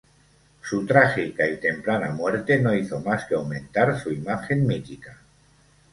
Su trágica y temprana muerte no hizo más que aumentar su imagen mítica.